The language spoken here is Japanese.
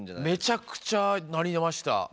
めちゃくちゃなりました。